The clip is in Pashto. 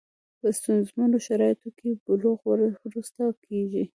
په ستونزمنو شرایطو کې بلوغ وروسته کېږي.